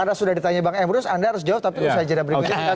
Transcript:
karena sudah ditanya bang emrus anda harus jawab tapi saya tidak beri pengetahuan